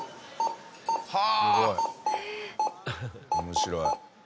面白い。